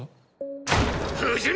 不死身！！